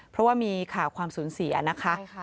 เพราะว่ามีข่าวความสูญเสียนะคะ